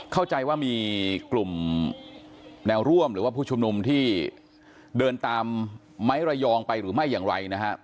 เข้าใจว่ามีกลุ่มแนวร่วมหรือว่าผู้ชุมนุมที่เดินตามไม้ระยองไปหรือไม่อย่างไรนะครับ